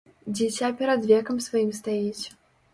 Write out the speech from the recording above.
Дзіця перад векам сваім стаіць.